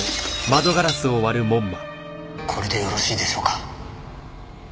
これでよろしいでしょうか？